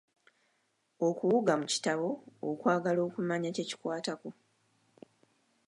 Okuwuga mu kitabo okwagala okumanya kye kikwatako.